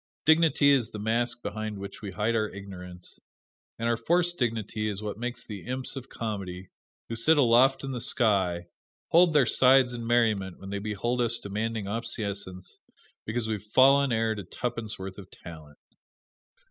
Dignity is the mask behind which we hide our ignorance; and our forced dignity is what makes the imps of comedy, who sit aloft in the sky, hold their sides in merriment when they behold us demanding obeisance because we have fallen heir to tuppence worth of talent.